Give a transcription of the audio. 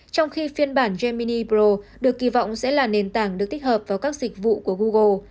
trong khi phiên bản jammini pro được kỳ vọng sẽ là nền tảng được tích hợp vào các dịch vụ của google